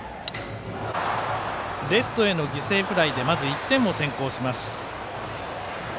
レフトへの犠牲フライでまず１点を先行します。